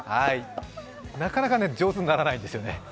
なかなか上手にならないですよね。